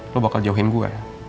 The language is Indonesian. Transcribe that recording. lo bakal jauhin gue